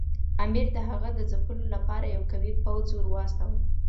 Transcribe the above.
امیر د هغه د ځپلو لپاره یو قوي پوځ ورواستاوه.